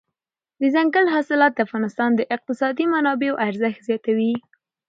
دځنګل حاصلات د افغانستان د اقتصادي منابعو ارزښت زیاتوي.